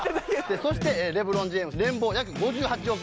そしてレブロン・ジェームズ年俸約５８億円。